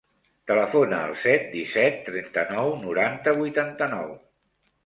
Telefona al set, disset, trenta-nou, noranta, vuitanta-nou.